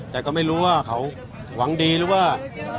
แต่ก็ไม่รู้ว่าเขาหวังดีหรือว่า